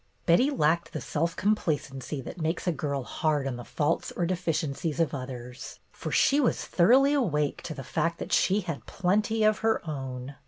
Betty lacked that self complacency that makes a girl hard on the faults or deficiencies of others, for she was thoroughly awake to the fact that she had plenty of her own.